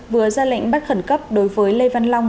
vừa ra lệnh bắt khẩn cấp đối với lê văn long